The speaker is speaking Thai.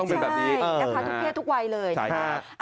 ต้องเป็นแบบนี้ใช่ครับทุกเพศทุกวัยเลยนะครับอ้าว